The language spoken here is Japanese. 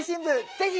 ぜひ。